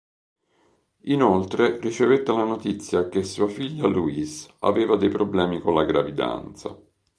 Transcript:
Inoltre, ricevette la notizia che sua figlia Louise aveva dei problemi con la gravidanza.